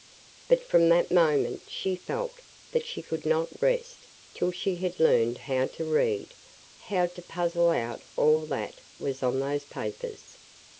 But from that moment she felt that she could not rest till she had learned how to read – how to puzzle out all that was on those papers.